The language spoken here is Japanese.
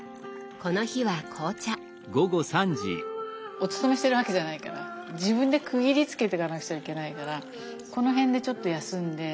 お勤めしてるわけじゃないから自分で区切りつけてかなくちゃいけないからこの辺でちょっと休んで。